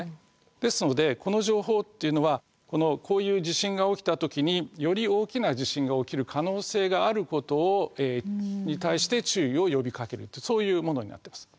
ですのでこの情報っていうのはこういう地震が起きた時により大きな地震が起きる可能性があることに対して注意を呼びかけるっていうそういうものになってます。